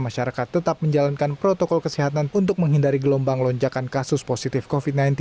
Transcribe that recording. masyarakat tetap menjalankan protokol kesehatan untuk menghindari gelombang lonjakan kasus positif covid sembilan belas